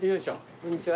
こんにちは。